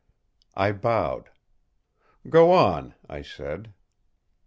I bowed. "Go on!" I said.